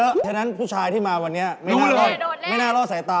เพราะฉะนั้นผู้ชายที่มาวันนี้ไม่น่ารอดสายตา